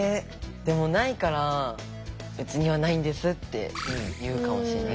でもないから「うちにはないんです」って言うかもしれない。